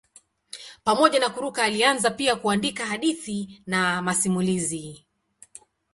Pamoja na kuruka alianza pia kuandika hadithi na masimulizi.